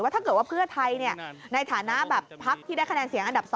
ถ้าเกิดว่าเพื่อไทยในฐานะแบบพักที่ได้คะแนนเสียงอันดับ๒